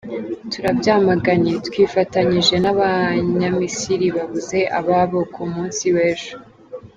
Turabyamaganye! Twifatanyije n’abanya Misiri babuze ababo ku munsi w’ejo.